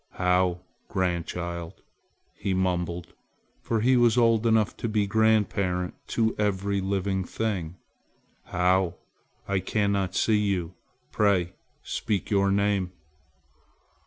"How, grandchild," he mumbled, for he was old enough to be grandparent to every living thing, "how! I cannot see you. Pray, speak your name!"